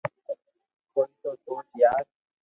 ڪوئي تو سوچ يار